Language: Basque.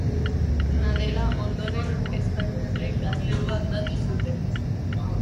Dena dela, ondoren, espainiarrek gaztelua aldatu zuten.